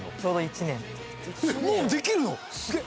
もうできるの！？